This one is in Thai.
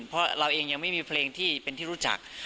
เพราะเราเองยังไม่มีเพลงที่เป็นที่รู้จัก